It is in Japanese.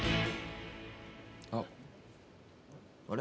あっあれ？